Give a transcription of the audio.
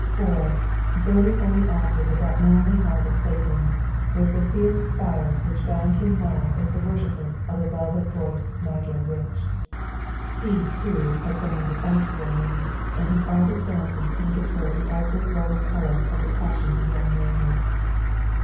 For, burning on the altars of that lonely heart of Clayton's was the fierce fire which bound him now as the worshipper of the velvet voiced Magyar witch. He, too, had some one to fight for now, and his ardent fancy painted her in every glowing color of the passion of young manhood.